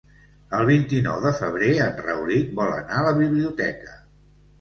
El vint-i-nou de febrer en Rauric vol anar a la biblioteca.